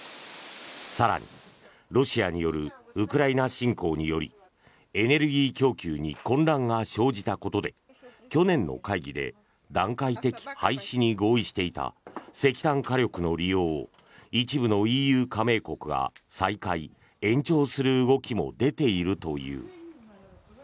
更にロシアによるウクライナ侵攻によりエネルギー供給に混乱が生じたことで去年の会議で段階的廃止に合意していた石炭火力の利用を一部のＥＵ加盟国が再開・延長する動きも出ているという。